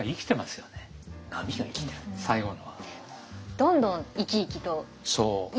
どんどん生き生きと。